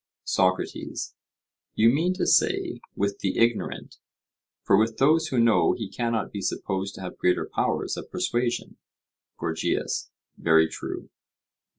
SOCRATES: You mean to say, with the ignorant; for with those who know he cannot be supposed to have greater powers of persuasion. GORGIAS: Very true.